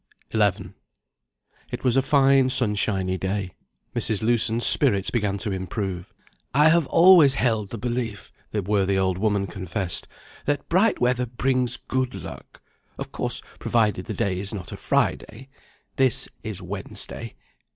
IX IT was a fine sunshiny day; Mrs. Lewson's spirits began to improve. "I have always held the belief," the worthy old woman confessed, "that bright weather brings good luck of course provided the day is not a Friday. This is Wednesday.